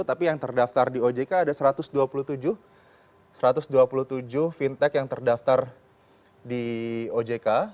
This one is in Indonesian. tapi yang terdaftar di ojk ada satu ratus dua puluh tujuh fintech yang terdaftar di ojk